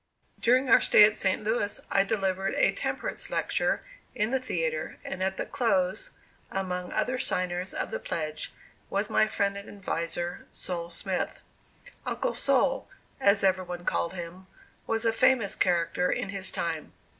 During our stay at St. Louis, I delivered a temperance lecture in the theatre, and at the close, among other signers, of the pledge, was my friend and adviser, Sol. Smith. "Uncle Sol," as every one called him, was a famous character in his time.